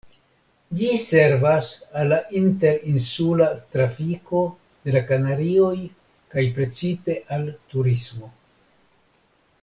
Ĝi servas al la inter-insula trafiko de la Kanarioj kaj precipe al turismo.